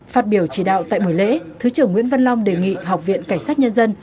phát biểu chỉ đạo tại buổi lễ thứ trưởng nguyễn văn long đề nghị học viện cảnh sát nhân dân